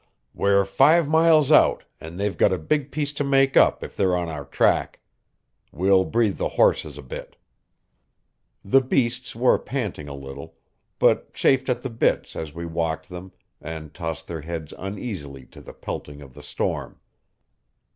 "We're five miles out, and they've got a big piece to make up if they're on our track. We'll breathe the horses a bit." The beasts were panting a little, but chafed at the bits as we walked them, and tossed their heads uneasily to the pelting of the storm.